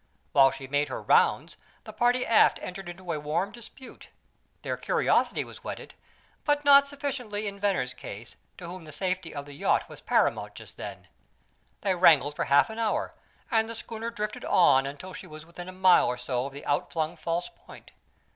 While she made her rounds the party aft entered into a warm dispute; their curiosity was whetted, but not sufficiently in Venner's case, to whom the safety of the yacht was paramount just then. They wrangled for half an hour, and the schooner drifted on until she was within a mile or so of the outflung false Point.